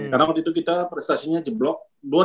karena waktu itu kita prestasinya jeblok